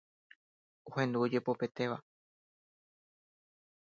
ohendu ojepopetéva.